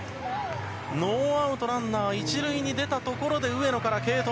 ノーアウトランナー１塁に出たところで、上野から継投。